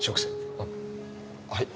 あっはい。